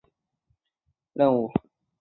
舰载机随舰多次到亚丁湾执行护航任务。